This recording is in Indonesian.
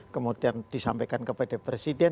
kemudian disampaikan kepada presiden